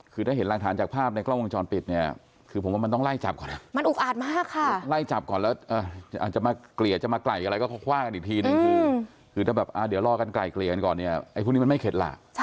คือถ้าเห็นรางฐานจากภาพในกล้องวงช้อนปิด